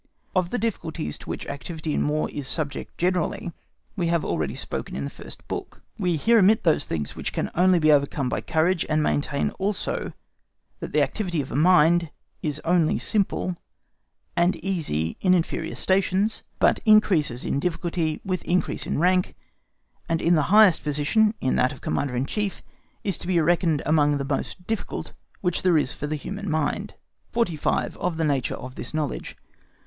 Of the difficulties to which activity in War is subject generally, we have already spoken in the first book; we here omit those things which can only be overcome by courage, and maintain also that the activity of mind, is only simple, and easy in inferior stations, but increases in difficulty with increase of rank, and in the highest position, in that of Commander in Chief, is to be reckoned among the most difficult which there is for the human mind. 45. OF THE NATURE OF THIS KNOWLEDGE.